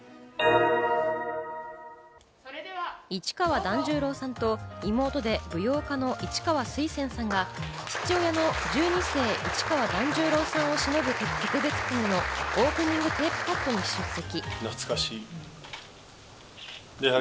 市川團十郎さんと妹で舞踊家の市川翠扇さんが父親の十二世市川團十郎さんをしのぶ特別展のオープニングテープカットに出席。